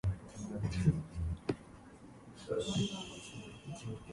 There were no large findings and the Great Depression put an end to exploration.